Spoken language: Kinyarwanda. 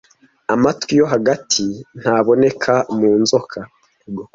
Amatwi yo hagati ntaboneka mu nzoka